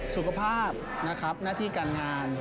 สุขภาพนะครับหน้าที่การงาน